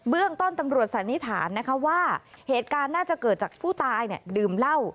เรื่องต้นตำรวจสันนิษฐานนะคะว่าเหตุการณ์น่าจะเกิดจากผู้ตายดื่มเหล้า